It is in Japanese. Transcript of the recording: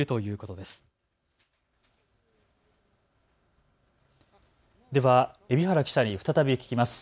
では海老原記者に再び聞きます。